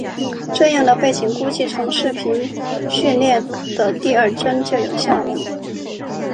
这样背景估计从视频序列的第二帧就有效了。